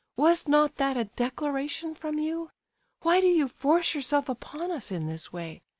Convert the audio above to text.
Was not that a declaration from you? Why do you force yourself upon us in this way?